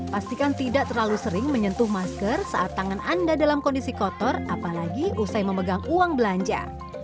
pastikan tidak terlalu sering menyentuh masker saat tangan anda dalam kondisi kotor apalagi usai memegang uang belanja